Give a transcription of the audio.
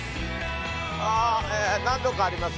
あっ何度かありますね。